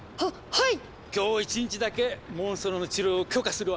はい！